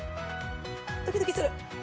ドキドキする。